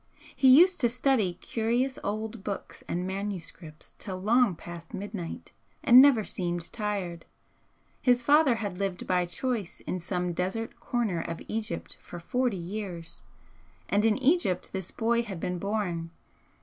He used to study curious old books and manuscripts till long past midnight, and never seemed tired. His father had lived by choice in some desert corner of Egypt for forty years, and in Egypt this boy had been born.